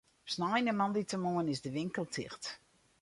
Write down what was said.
Op snein en moandeitemoarn is de winkel ticht.